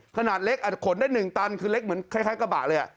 ขนาดเล็กขนได้หนึ่งตันคือเล็กเหมือนคล้ายกระบะเลย